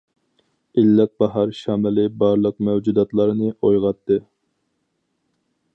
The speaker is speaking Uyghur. ئىللىق باھار شامىلى بارلىق مەۋجۇداتلارنى ئويغاتتى.